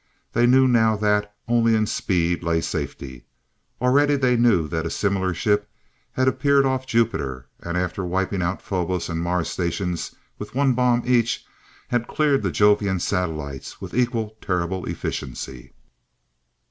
They knew now that only in speed lay safety. Already they knew that a similar ship had appeared off Jupiter, and, after wiping out the Phobos and Mars stations with one bomb each, had cleared the Jovian Satellites with equal terrible efficiency.